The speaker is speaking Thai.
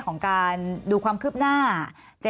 มีความรู้สึกว่าเสียใจ